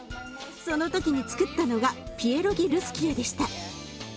その時につくったのがピエロギルスキエでした。